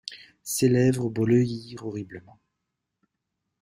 Ses lèvres bleuirent horriblement.